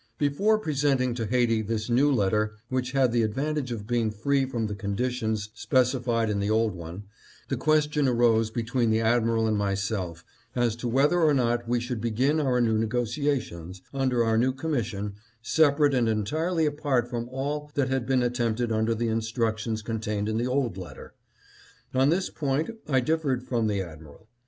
" Before presenting to Haiti this new letter, which had the advantage of being free from the conditions specified in the old one, the question arose between the admiral and myself as to whether or not we should be gin our new negotiations, under our new commission, separate and entirely apart from all that had been at tempted under the instructions contained in the old letter. On this point I differed from the admiral.